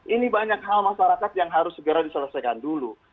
ini banyak hal masyarakat yang harus segera diselesaikan dulu